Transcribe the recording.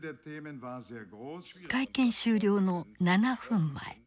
会見終了の７分前